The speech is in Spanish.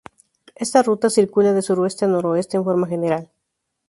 Esta ruta circula de sureste a noroeste en forma general.